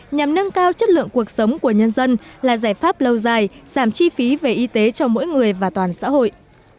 nhằm nâng cao chất lượng cuộc sống của nhân dân là giải pháp lâu dài giảm chi phí về y tế cho mỗi người và toàn xã hội